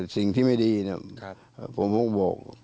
สิ่งที่ไม่ดีนะครับผมพูดบอก